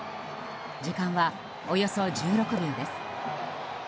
時間は、およそ１６秒です。